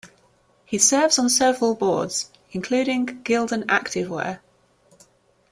He serves on several Boards, including Gildan Activewear.